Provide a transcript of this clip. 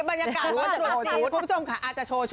บรรยากาศ